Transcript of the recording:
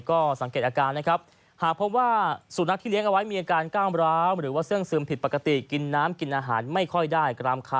ก็สังเกตอาการนะครับหากพบว่าสุนัขที่เลี้ยงเอาไว้มีอาการก้าวมร้าวหรือว่าเสื้องซึมผิดปกติกินน้ำกินอาหารไม่ค่อยได้